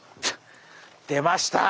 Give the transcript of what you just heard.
出ました。